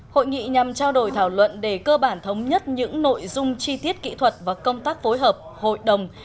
hội nghị nhằm trao đổi thảo luận để cơ bản thống nhất những nội dung chi tiết kỹ thuật và công tác phối hợp hội đồng